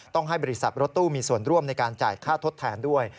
ต้องให้บริษัทรถตู้มีส่วนร่วมในการจ่ายค่าทดแทนด้วย